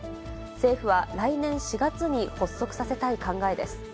政府は来年４月に発足させたい考えです。